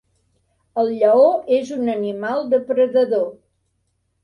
El lleó és un animal depredador.